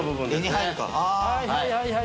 はいはい。